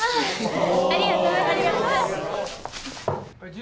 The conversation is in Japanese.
ありがとうございます。